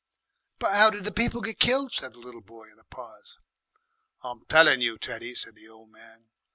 "But 'ow did the people get killse?" said the little boy in the pause. "I'm tellin' you, Teddy," said the old man.